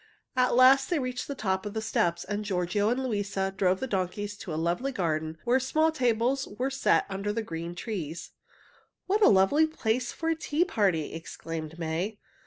At last they reached the top of the steps, and Giorgio and Luisa drove the donkeys to a lovely garden where small tables were set under the green trees. "What a lovely place for a tea party!" exclaimed May.